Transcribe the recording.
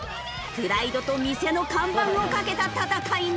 プライドと店の看板をかけた戦いなんです！